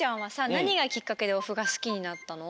なにがきっかけでおふがすきになったの？